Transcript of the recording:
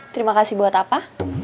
terima kasih buat apa